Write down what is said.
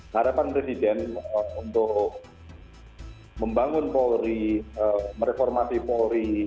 harapan presiden untuk membangun polri mereformasi polri